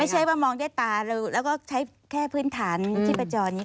ไม่ใช่ว่ามองด้วยตาเราแล้วก็ใช้แค่พื้นฐานที่ประจอนี้